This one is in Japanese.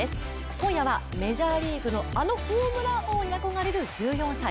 今夜はメジャーリーグのあのホームラン王に憧れる１４歳。